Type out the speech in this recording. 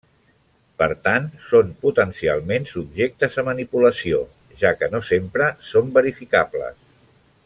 Per tant són potencialment subjectes a manipulació, ja que no sempre són verificables.